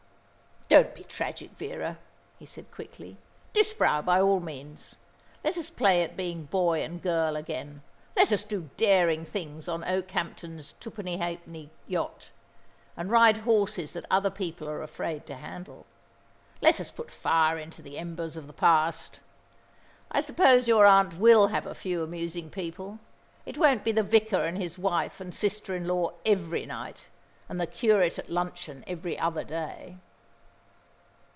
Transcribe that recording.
"Don't be tragic, Vera," he said quickly. "Disbrowe, by all means. Let us play at being boy and girl again. Let us do daring things on Okehampton's twopenny halfpenny yacht, and ride horses that other people are afraid to handle. Let us put fire into the embers of the past. I suppose your aunt will have a few amusing people. It won't be the vicar and his wife and sister in law every night, and the curate at luncheon every other day."